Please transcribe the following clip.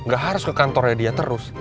gak harus ke kantornya dia terus